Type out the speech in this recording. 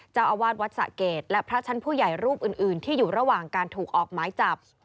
เจ้าอาวาสวัดสะเกดและพระชั้นผู้ใหญ่รูปอื่นที่อยู่ระหว่างการถูกออกหมายจับ